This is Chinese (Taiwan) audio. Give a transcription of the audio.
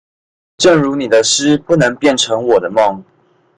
正如你的詩不能變成我的夢